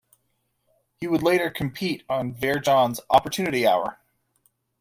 He would later compete on Vere Johns' "Opportunity Hour".